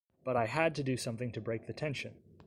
But I had to do something to break the tension.